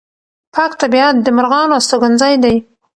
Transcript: پاک طبیعت د مرغانو استوګنځی دی.